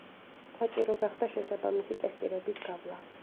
საჭირო გახდა შესაბამისი ტესტირების გავლა.